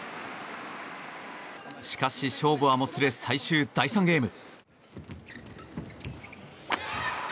しかし、勝負はもつれ最終第３ゲーム。